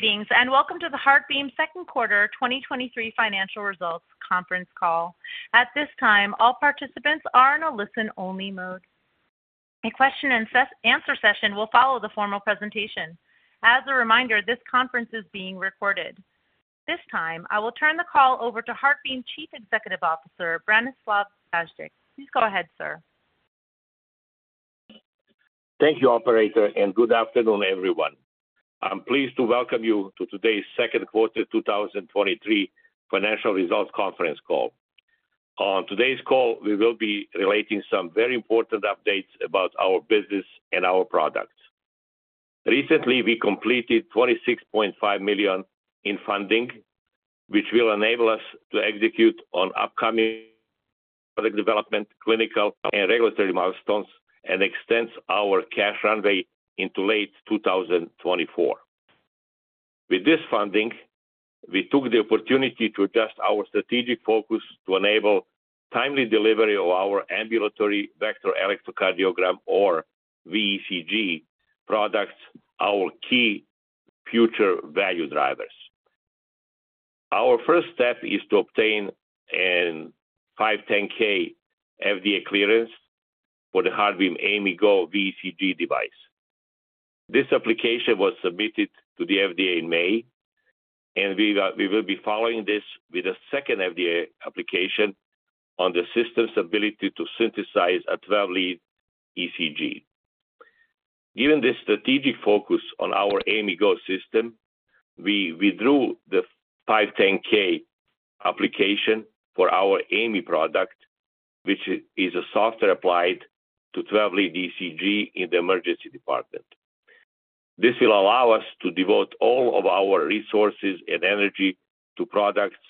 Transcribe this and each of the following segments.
Greetings, welcome to the HeartBeam Second Quarter 2023 financial results conference call. At this time, all participants are in a listen-only mode. A question and answer session will follow the formal presentation. As a reminder, this conference is being recorded. This time, I will turn the call over to HeartBeam Chief Executive Officer, Branislav Vajdic. Please go ahead, sir. Thank you, operator, good afternoon, everyone. I'm pleased to welcome you to today's second quarter 2023 financial results conference call. On today's call, we will be relating some very important updates about our business and our products. Recently, we completed $26.5 million in funding, which will enable us to execute on upcoming product development, clinical, and regulatory milestones and extends our cash runway into late 2024. With this funding, we took the opportunity to adjust our strategic focus to enable timely delivery of our ambulatory vector electrocardiogram, or VECG products, our key future value drivers. Our first step is to obtain a 510(k) FDA clearance for the HeartBeam AIMIGo VECG device. This application was submitted to the FDA in May. We will be following this with a second FDA application on the system's ability to synthesize a 12-lead ECG. Given the strategic focus on our AIMIGo system, we withdrew the 510(k) application for our AIMI product, which is a software applied to 12-lead ECG in the emergency department. This will allow us to devote all of our resources and energy to products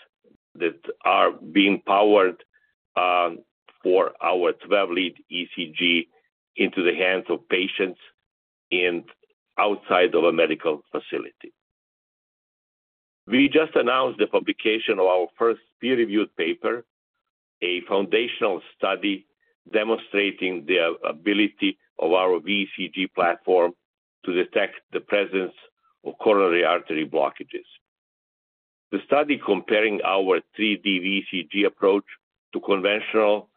that are being powered for our 12-lead ECG into the hands of patients and outside of a medical facility. We just announced the publication of our first peer-reviewed paper, a foundational study demonstrating the ability of our VECG platform to detect the presence of coronary artery blockages. The study comparing our 3D VECG approach to conventional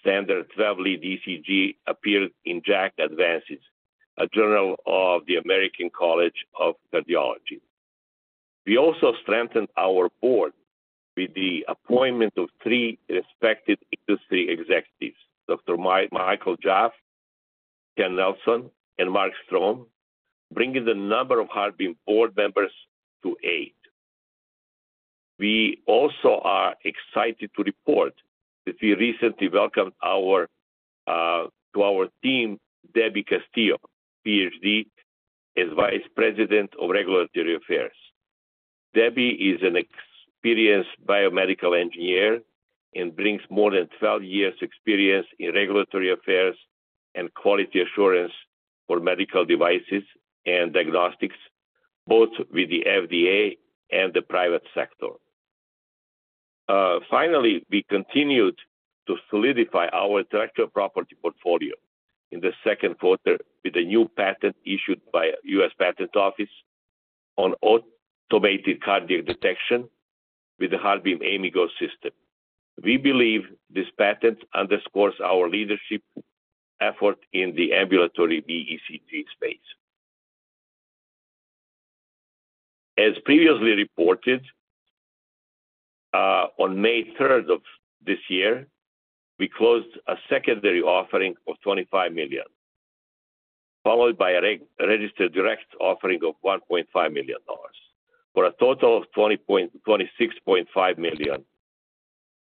standard 12-lead ECG appeared in JACC: Advances, a journal of the American College of Cardiology. We also strengthened our board with the appointment of 3 respected industry executives, Dr. Michael Jaff, Ken Nelson, and Mark Strome, bringing the number of HeartBeam board members to 8. We also are excited to report that we recently welcomed our to our team, Deborah Castillo, PhD, as Vice President of Regulatory Affairs. Debbie is an experienced biomedical engineer and brings more than 12 years experience in regulatory affairs and quality assurance for medical devices and diagnostics, both with the FDA and the private sector. Finally, we continued to solidify our intellectual property portfolio in the second quarter with a new patent issued by U.S. Patent Office on automated cardiac detection with the HeartBeam AIMIGo system. We believe this patent underscores our leadership effort in the ambulatory VECG space. As previously reported, on May 3rd of this year, we closed a secondary offering of $25 million, followed by a registered direct offering of $1.5 million, for a total of $26.5 million.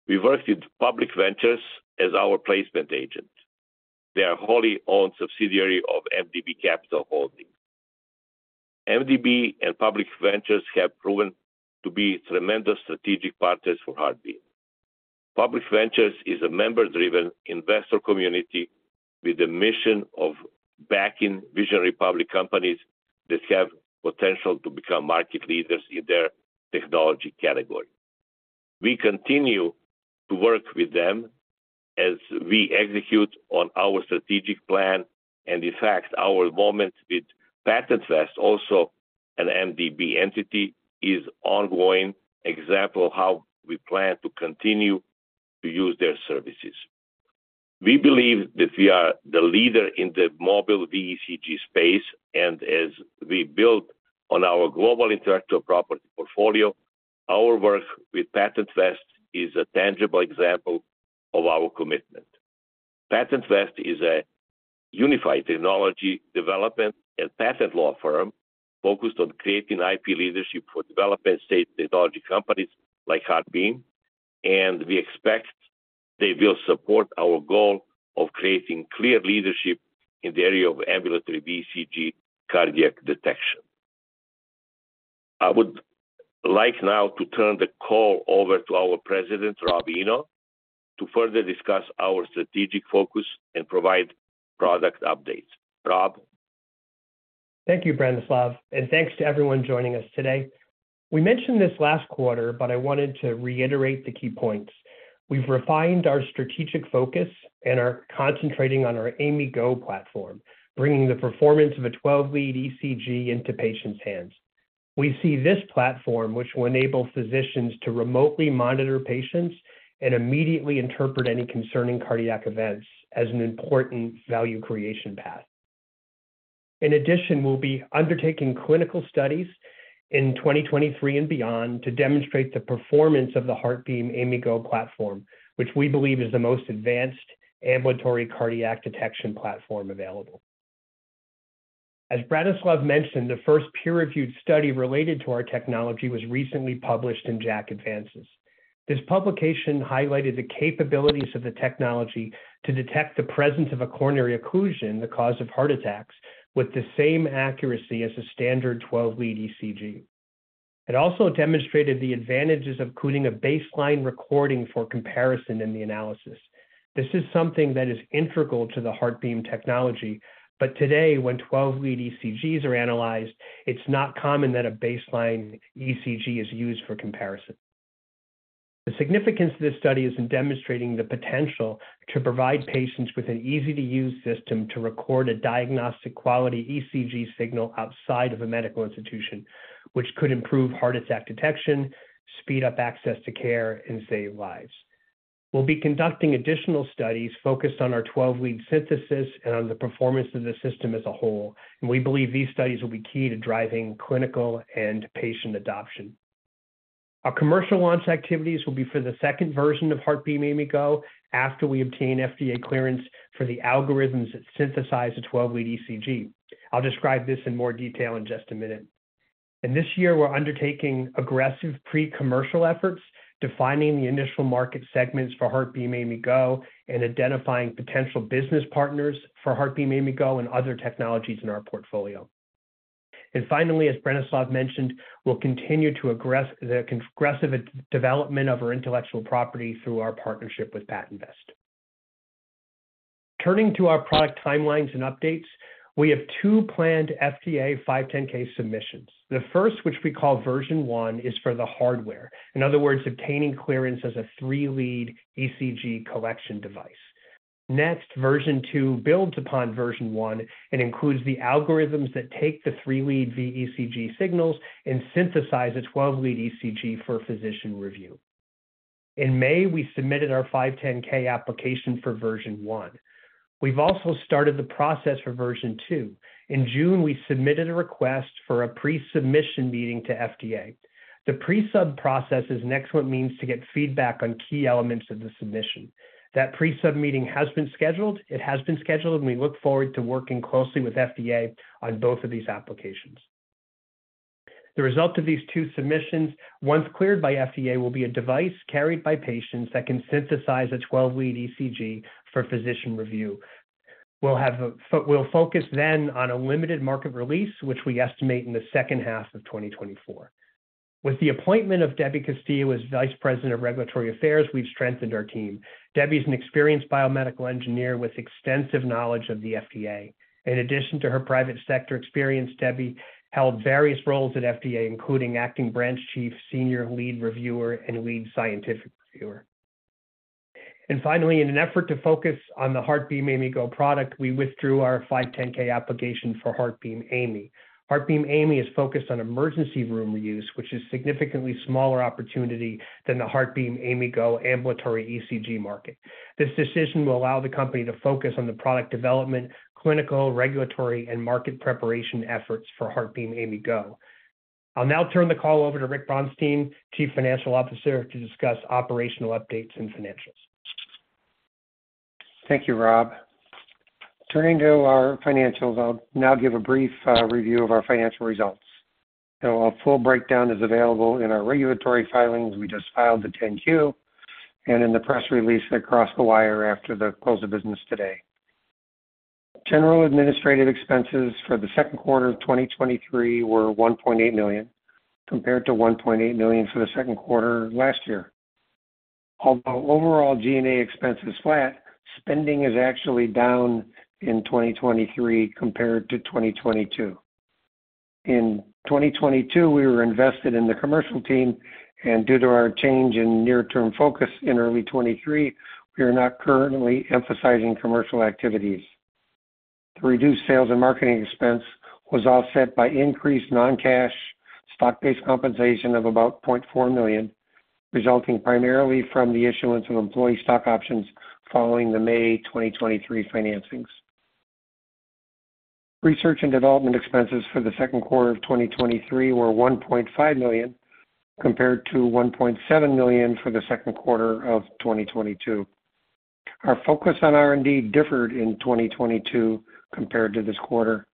We worked with Public Ventures as our placement agent. They are a wholly owned subsidiary of MDB Capital Holdings. MDB and Public Ventures have proven to be tremendous strategic partners for HeartBeam. Public Ventures is a member-driven investor community with the mission of backing visionary public companies that have potential to become market leaders in their technology category. We continue to work with them as we execute on our strategic plan. In fact, our involvement with PatentVest, also an MDB entity, is ongoing example of how we plan to continue to use their services. We believe that we are the leader in the mobile VECG space, and as we build on our global intellectual property portfolio, our work with PatentVest is a tangible example of our commitment. PatentVest is a unified technology development and patent law firm focused on creating IP leadership for developing safe technology companies like HeartBeam, and we expect they will support our goal of creating clear leadership in the area of ambulatory VECG cardiac detection. I would like now to turn the call over to our President, Robert Eno, to further discuss our strategic focus and provide product updates. Rob? Thank you, Branislav. Thanks to everyone joining us today. We mentioned this last quarter. I wanted to reiterate the key points. We've refined our strategic focus and are concentrating on our AIMIGo platform, bringing the performance of a 12-lead ECG into patients' hands. We see this platform, which will enable physicians to remotely monitor patients and immediately interpret any concerning cardiac events, as an important value creation path. In addition, we'll be undertaking clinical studies in 2023 and beyond to demonstrate the performance of the HeartBeam AIMIGo platform, which we believe is the most advanced ambulatory cardiac detection platform available. As Branislav mentioned, the first peer-reviewed study related to our technology was recently published in JACC: Advances. This publication highlighted the capabilities of the technology to detect the presence of a coronary occlusion, the cause of heart attacks, with the same accuracy as a standard 12-lead ECG. It also demonstrated the advantages of including a baseline recording for comparison in the analysis. This is something that is integral to the HeartBeam technology, but today, when 12-lead ECGs are analyzed, it's not common that a baseline ECG is used for comparison. The significance of this study is in demonstrating the potential to provide patients with an easy-to-use system to record a diagnostic-quality ECG signal outside of a medical institution, which could improve heart attack detection, speed up access to care, and save lives. We'll be conducting additional studies focused on our 12-lead synthesis and on the performance of the system as a whole, and we believe these studies will be key to driving clinical and patient adoption. Our commercial launch activities will be for the second version of HeartBeam AIMIGo after we obtain FDA clearance for the algorithms that synthesize the 12-lead ECG. I'll describe this in more detail in just a minute. This year, we're undertaking aggressive pre-commercial efforts, defining the initial market segments for HeartBeam AIMIGo, and identifying potential business partners for HeartBeam AIMIGo and other technologies in our portfolio. Finally, as Branislav mentioned, we'll continue to aggress the progressive development of our intellectual property through our partnership with PatentVest. Turning to our product timelines and updates, we have 2 planned FDA 510(k) submissions. The first, which we call version one, is for the hardware. In other words, obtaining clearance as a 3-lead ECG collection device. Next, version two builds upon version one and includes the algorithms that take the 3-lead VECG signals and synthesize a 12-lead ECG for physician review. In May, we submitted our 510(k) application for version one. We've also started the process for version two. In June, we submitted a request for a pre-submission meeting to FDA. The pre-sub process is an excellent means to get feedback on key elements of the submission. That pre-sub meeting has been scheduled. It has been scheduled, and we look forward to working closely with FDA on both of these applications. The result of these two submissions, once cleared by FDA, will be a device carried by patients that can synthesize a 12-lead ECG for physician review. We'll focus then on a limited market release, which we estimate in the second half of 2024. With the appointment of Deborah Castillo as Vice President of Regulatory Affairs, we've strengthened our team. Debbie is an experienced biomedical engineer with extensive knowledge of the FDA. In addition to her private sector experience, Debbie held various roles at FDA, including acting branch chief, senior lead reviewer, and lead scientific reviewer. Finally, in an effort to focus on the HeartBeam AIMIGo product, we withdrew our 510(k) application for HeartBeam AIMI. HeartBeam AIMI is focused on emergency room use, which is a significantly smaller opportunity than the HeartBeam AIMIGo ambulatory ECG market. This decision will allow the company to focus on the product development, clinical, regulatory, and market preparation efforts for HeartBeam AIMIGo. I'll now turn the call over to Richard Brounstein, Chief Financial Officer, to discuss operational updates and financials. Thank you, Rob. Turning to our financials, I'll now give a brief review of our financial results. A full breakdown is available in our regulatory filings. We just filed the 10-Q and in the press release that crossed the wire after the close of business today. General administrative expenses for the second quarter of 2023 were $1.8 million, compared to $1.8 million for the second quarter last year. Although overall G&A expense is flat, spending is actually down in 2023 compared to 2022. In 2022, we were invested in the commercial team, and due to our change in near-term focus in early 2023, we are not currently emphasizing commercial activities. The reduced sales and marketing expense was offset by increased non-cash stock-based compensation of about $0.4 million, resulting primarily from the issuance of employee stock options following the May 2023 financings. Research and development expenses for the second quarter of 2023 were $1.5 million, compared to $1.7 million for the second quarter of 2022. Our focus on R&D differed in 2022 compared to this quarter.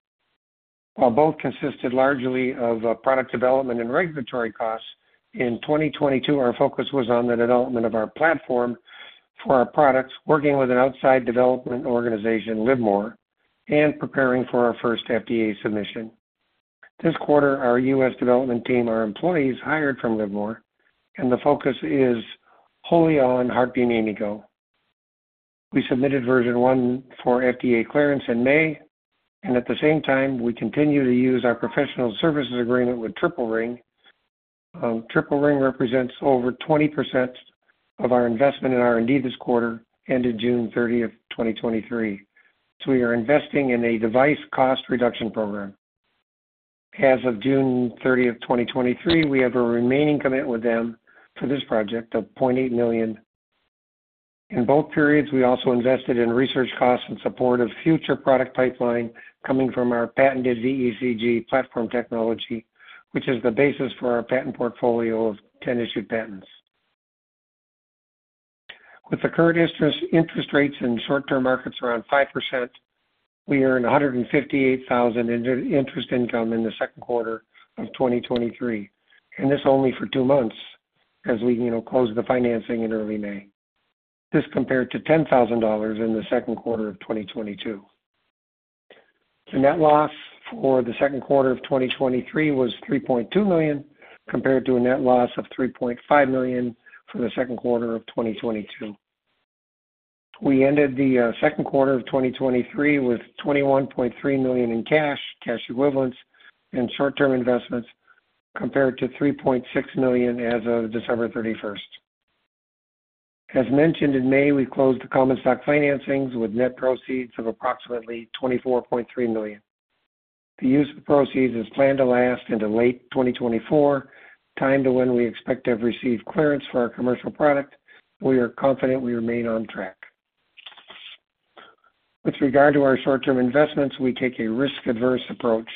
While both consisted largely of product development and regulatory costs, in 2022, our focus was on the development of our platform for our products, working with an outside development organization, Livermore, and preparing for our first FDA submission. This quarter, our U.S. development team are employees hired from Livermore, and the focus is wholly on HeartBeam AIMIGo. We submitted version 1 for FDA clearance in May. At the same time, we continue to use our professional services agreement with Triple Ring. Triple Ring represents over 20% of our investment in R&D this quarter, ended June 30, 2023. We are investing in a device cost reduction program. As of June 30, 2023, we have a remaining commitment with them for this project of $0.8 million. In both periods, we also invested in research costs in support of future product pipeline coming from our patented zECG platform technology, which is the basis for our patent portfolio of 10 issued patents. With the current interest, interest rates in short-term markets around 5%, we earned $158,000 in interest income in the second quarter of 2023, and this only for two months, as we, you know, closed the financing in early May. This compared to $10,000 in the second quarter of 2022. The net loss for the second quarter of 2023 was $3.2 million, compared to a net loss of $3.5 million for the second quarter of 2022. We ended the second quarter of 2023 with $21.3 million in cash, cash equivalents, and short-term investments, compared to $3.6 million as of December 31st. As mentioned, in May, we closed the common stock financings with net proceeds of approximately $24.3 million. The use of proceeds is planned to last into late 2024, timed to when we expect to have received clearance for our commercial product. We are confident we remain on track. With regard to our short-term investments, we take a risk-averse approach,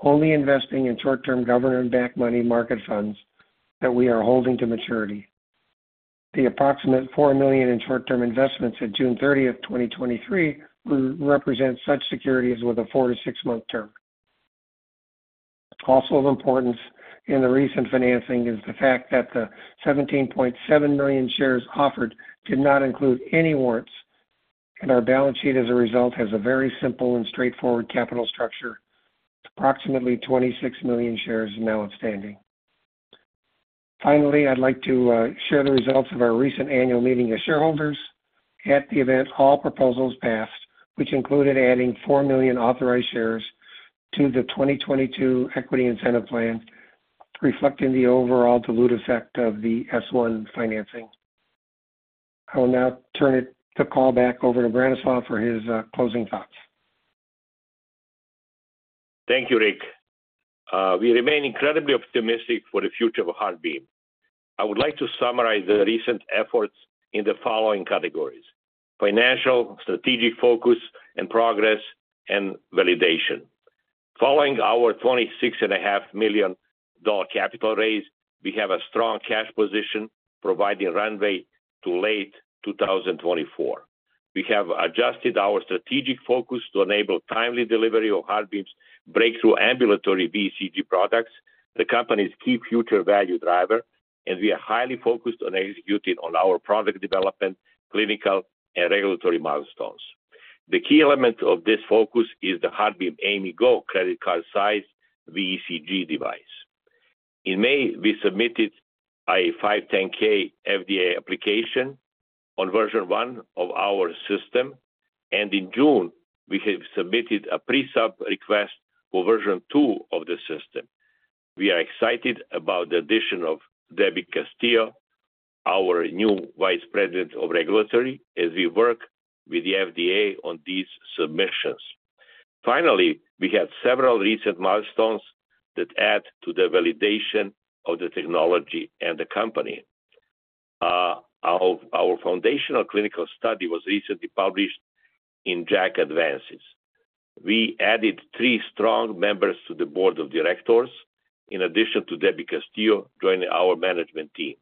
only investing in short-term government-backed money market funds that we are holding to maturity. The approximate $4 million in short-term investments at June 30th, 2023, represent such securities with a 4-6 month term. Also of importance in the recent financing is the fact that the 17.7 million shares offered did not include any warrants, and our balance sheet, as a result, has a very simple and straightforward capital structure. Approximately 26 million shares are now outstanding. Finally, I'd like to share the results of our recent annual meeting of shareholders. At the event, all proposals passed, which included adding 4 million authorized shares to the 2022 Equity Incentive Plan, reflecting the overall dilutive effect of the S-1 financing. I will now turn it the call back over to Branislav for his closing thoughts. Thank you, Rick. We remain incredibly optimistic for the future of HeartBeam. I would like to summarize the recent efforts in the following categories: financial, strategic focus and progress, and validation. Following our $26.5 million capital raise, we have a strong cash position, providing runway to late 2024. We have adjusted our strategic focus to enable timely delivery of HeartBeam's breakthrough ambulatory ECG products, the company's key future value driver, and we are highly focused on executing on our product development, clinical, and regulatory milestones. The key element of this focus is the HeartBeam AIMIGo credit card-sized VECG device. In May, we submitted a 510(k) FDA application on version 1 of our system, and in June, we have submitted a Pre-Sub request for version 2 of the system. We are excited about the addition of Deborah Castillo, our new Vice President of Regulatory, as we work with the FDA on these submissions. Finally, we had several recent milestones that add to the validation of the technology and the company. Our, our foundational clinical study was recently published in JACC: Advances. We added three strong members to the board of directors, in addition to Deborah Castillo, joining our management team.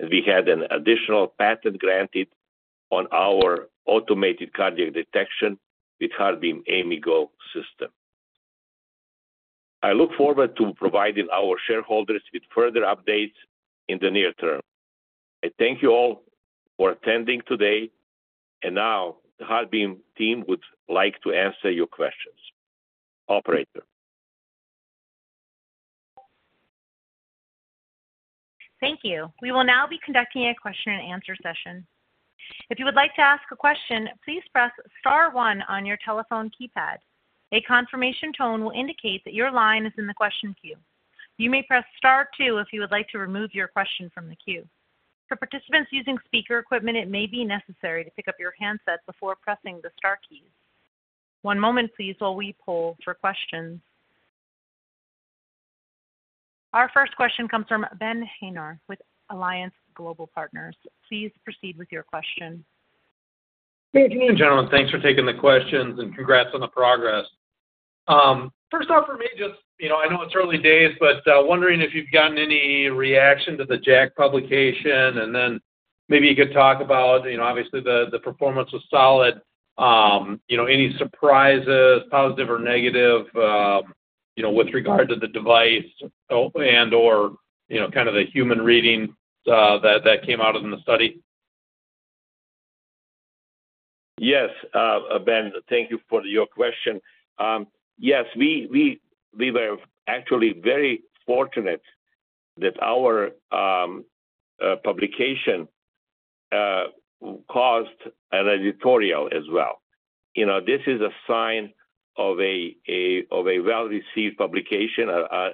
We had an additional patent granted on our automated cardiac detection with HeartBeam AIMIGo system. I look forward to providing our shareholders with further updates in the near term. I thank you all for attending today, and now the HeartBeam team would like to answer your questions. Operator? Thank you. We will now be conducting a question and answer session. If you would like to ask a question, please press star one on your telephone keypad. A confirmation tone will indicate that your line is in the question queue. You may press star two if you would like to remove your question from the queue. For participants using speaker equipment, it may be necessary to pick up your handset before pressing the star keys. One moment, please, while we poll for questions. Our first question comes from Benjamin Haynor with Alliance Global Partners. Please proceed with your question. Hey, good evening, gentlemen. Thanks for taking the questions, and congrats on the progress. First off, for me, just, you know, I know it's early days, but, wondering if you've gotten any reaction to the JACC publication, and then maybe you could talk about, you know, obviously the, the performance was solid. You know, any surprises, positive or negative, you know, with regard to the device, and/or, you know, kind of the human reading that came out in the study? Yes, Ben, thank you for your question. Yes, we, we, we were actually very fortunate that our publication caused an editorial as well. You know, this is a sign of a well-received publication, a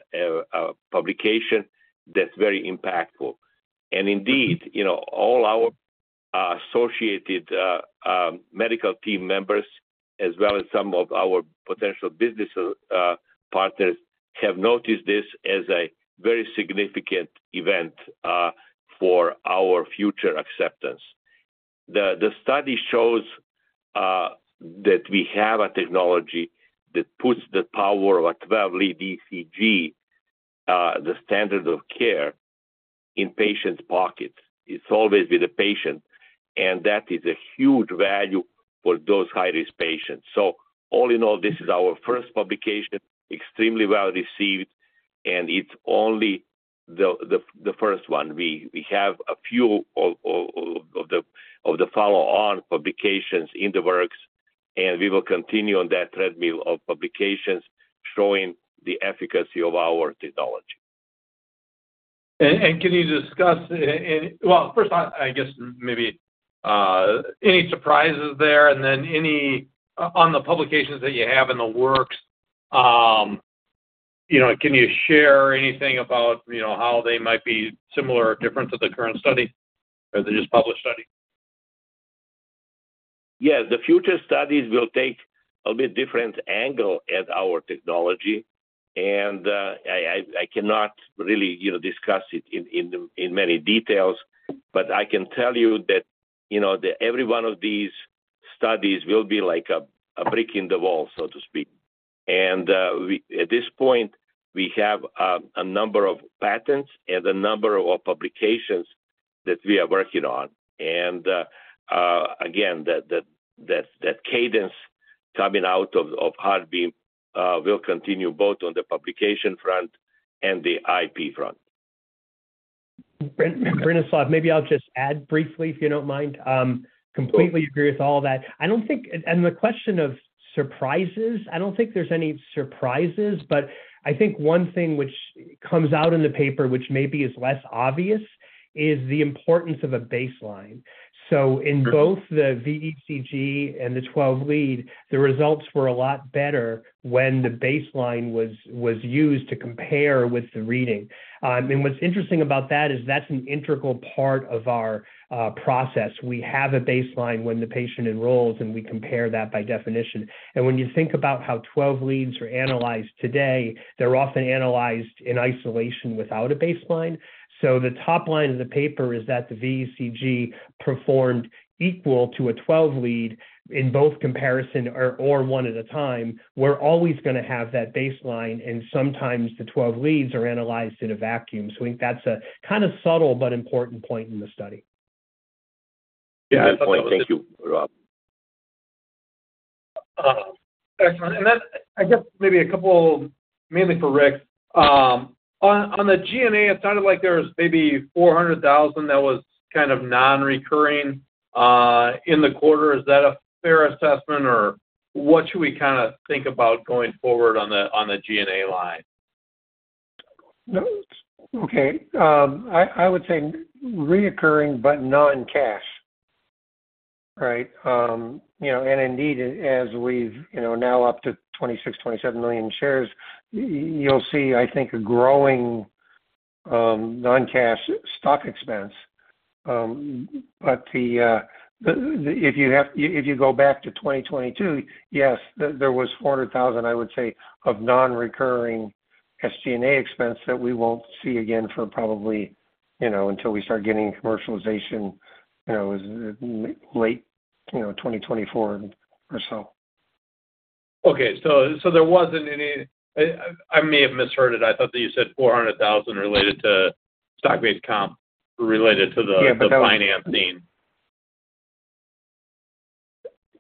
publication that's very impactful. Indeed, you know, all our associated medical team members, as well as some of our potential business partners, have noticed this as a very significant event for our future acceptance. The study shows that we have a technology that puts the power of a 12-lead ECG, the standard of care, in patients' pockets. It's always with the patient, and that is a huge value for those high-risk patients. All in all, this is our first publication, extremely well received, and it's only the first one. We have a few follow-on publications in the works. We will continue on that treadmill of publications showing the efficacy of our technology. Can you discuss any? Well, first, I, I guess maybe, any surprises there, and then on the publications that you have in the works, you know, can you share anything about, you know, how they might be similar or different to the current study, or the just published study? The future studies will take a bit different angle at our technology, and I cannot really, you know, discuss it in many details. I can tell you that, you know, that every one of these studies will be like a brick in the wall, so to speak. We, at this point, we have a number of patents and a number of publications that we are working on. Again, that cadence coming out of HeartBeam will continue both on the publication front and the IP front. Branislav, maybe I'll just add briefly, if you don't mind. Completely agree with all that. The question of surprises, I don't think there's any surprises, but I think one thing which comes out in the paper, which maybe is less obvious, is the importance of a baseline. In both the VECG and the 12-lead, the results were a lot better when the baseline was used to compare with the reading. What's interesting about that is that's an integral part of our process. We have a baseline when the patient enrolls, and we compare that by definition. When you think about how 12-leads are analyzed today, they're often analyzed in isolation without a baseline. The top line of the paper is that the VECG performed equal to a 12-lead in both comparison or one at a time. We're always going to have that baseline, and sometimes the 12-leads are analyzed in a vacuum. I think that's a kind of subtle but important point in the study. Yeah, good point. Thank you, Rob. Excellent. Then I guess maybe a couple, mainly for Rick. on, on the G&A, it sounded like there was maybe $400,000 that was kind of non-recurring, in the quarter. Is that a fair assessment, or what should we kinda think about going forward on the, on the G&A line? Okay. I, I would say recurring, but non-cash, right? You know, indeed, as we've, you know, now up to 26, 27 million shares, you'll see, I think, a growing non-cash stock expense. The, if you go back to 2022, yes, there was $400,000, I would say, of non-recurring SG&A expense that we won't see again for probably, you know, until we start getting commercialization, you know, late, you know, 2024 or so. Okay, there wasn't any. I, I may have misheard it. I thought that you said $400,000 related to stock-based comp related to the- Yeah, but that was- financing.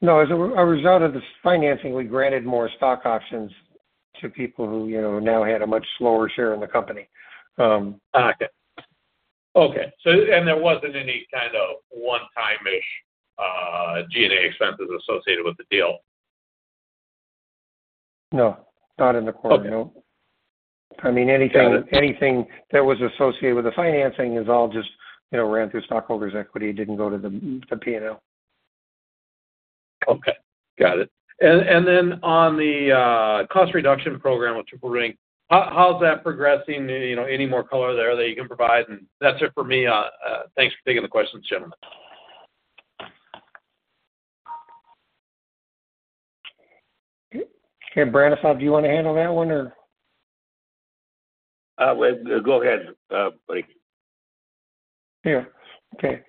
No, as a, a result of this financing, we granted more stock options to people who, you know, now had a much slower share in the company. Okay. Okay, there wasn't any kind of one-time-ish G&A expenses associated with the deal? No, not in the quarter. Okay. No. I mean, anything- Got it.... anything that was associated with the financing is all just, you know, ran through stockholders' equity. It didn't go to the, the P&L. Okay, got it. Then on the cost reduction program, which we're doing, how, how's that progressing? You know, any more color there that you can provide? That's it for me. Thanks for taking the questions, gentlemen. Hey, Branislav, do you want to handle that one, or? Well, go ahead, Rick. Yeah. Okay.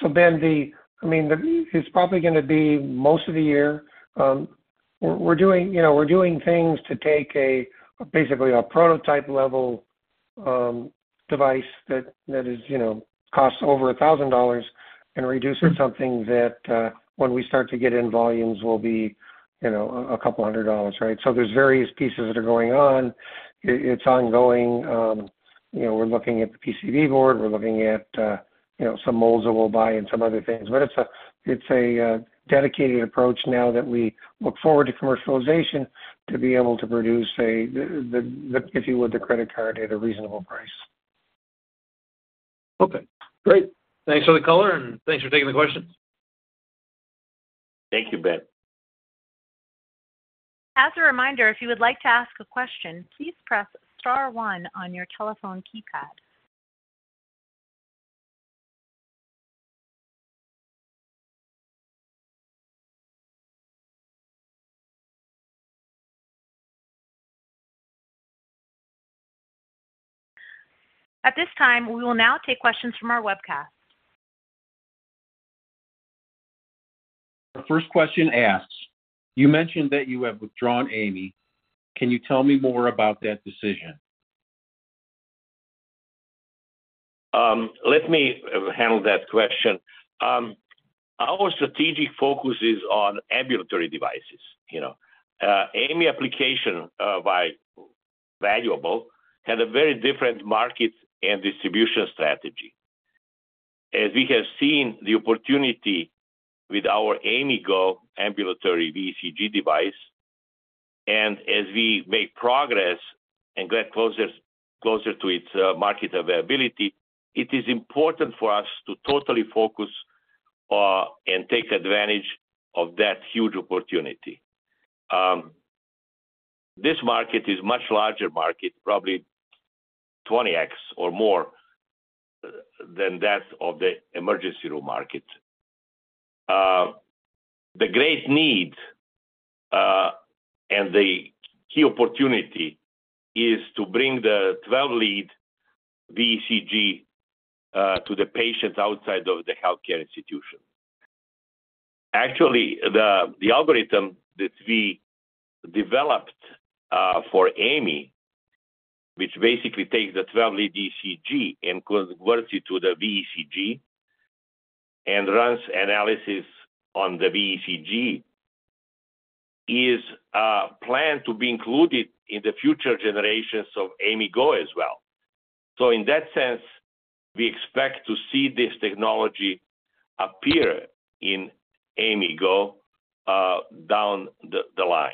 Ben, the... I mean, it's probably gonna be most of the year. We're, we're doing, you know, we're doing things to take a, basically a prototype-level device that, that is, you know, costs over $1,000 and reduce it to something that, when we start to get in volumes, will be, you know, $200, right? There's various pieces that are going on. It, it's ongoing.... you know, we're looking at the PCB board. We're looking at, you know, some molds that we'll buy and some other things. It's a, it's a dedicated approach now that we look forward to commercialization to be able to produce a, the, the, if you would, the credit card at a reasonable price. Okay, great. Thanks for the color, and thanks for taking the questions. Thank you, Ben. As a reminder, if you would like to ask a question, please press star one on your telephone keypad. At this time, we will now take questions from our webcast. The first question asks, "You mentioned that you have withdrawn AIMI. Can you tell me more about that decision? Let me handle that question. Our strategic focus is on ambulatory devices, you know. AIMI application by Valuable has a very different market and distribution strategy. As we have seen the opportunity with our AIMIGo ambulatory ECG device, and as we make progress and get closer, closer to its market availability, it is important for us to totally focus and take advantage of that huge opportunity. This market is much larger market, probably 20x or more than that of the emergency room market. The great need and the key opportunity is to bring the 12-lead VECG to the patients outside of the healthcare institution. Actually, the algorithm that we developed for AIMI, which basically takes the 12-lead ECG and converts it to the VECG and runs analysis on the VECG, is planned to be included in the future generations of AIMIGo as well. In that sense, we expect to see this technology appear in AIMIGo down the, the line.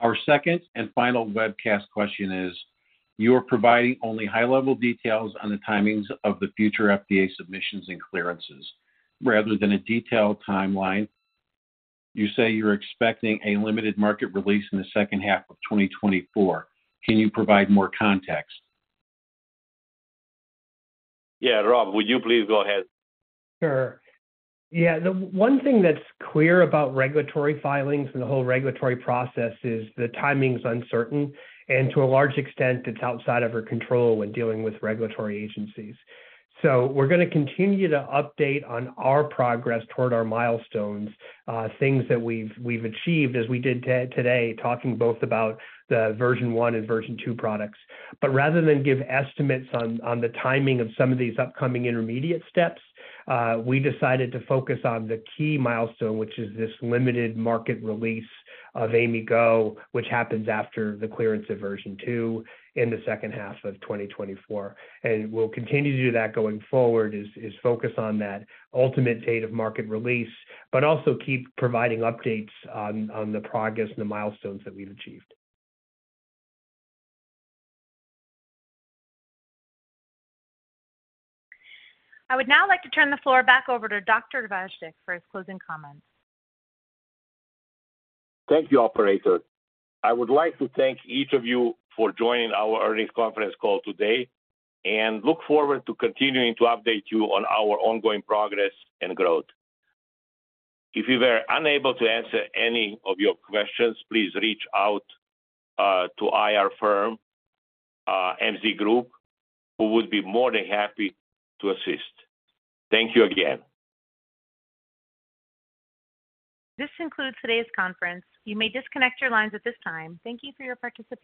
Our second and final webcast question is: "You are providing only high-level details on the timings of the future FDA submissions and clearances rather than a detailed timeline. You say you're expecting a limited market release in the second half of 2024. Can you provide more context? Yeah. Rob, would you please go ahead? Sure. Yeah, the one thing that's clear about regulatory filings and the whole regulatory process is the timing's uncertain, and to a large extent, it's outside of our control when dealing with regulatory agencies. We're gonna continue to update on our progress toward our milestones, things that we've, we've achieved, as we did today, talking both about the version one and version two products. Rather than give estimates on, on the timing of some of these upcoming intermediate steps, we decided to focus on the key milestone, which is this limited market release of AIMIGo, which happens after the clearance of version two in the second half of 2024. We'll continue to do that going forward, focus on that ultimate date of market release, but also keep providing updates on, on the progress and the milestones that we've achieved. I would now like to turn the floor back over to Dr. Vajdic for his closing comments. Thank you, operator. I would like to thank each of you for joining our earnings conference call today and look forward to continuing to update you on our ongoing progress and growth. If we were unable to answer any of your questions, please reach out to IR firm, MZ Group, who would be more than happy to assist. Thank you again. This concludes today's conference. You may disconnect your lines at this time. Thank you for your participation.